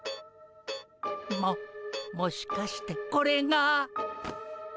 ももしかしてこれが。